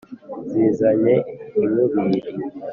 Zizanye inkubiri